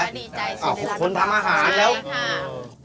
ดีใจสินธรรมะหารเนี้ย